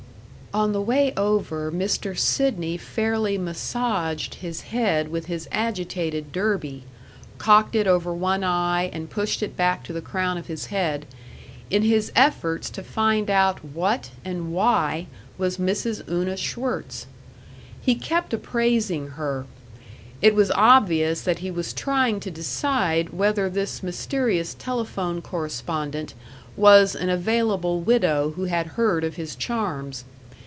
On the way over Mr. Sidney fairly massaged his head with his agitated derby cocked it over one eye and pushed it back to the crown of his head in his efforts to find out what and why was Mrs. Una Schwirtz. He kept appraising her. It was obvious that he was trying to decide whether this mysterious telephone correspondent was an available widow who had heard of his charms.